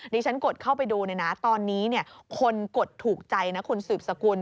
นี่ฉันกดเข้าไปดูเลยนะตอนนี้เนี่ยคนกดถูกใจนะคุณสืบสกุล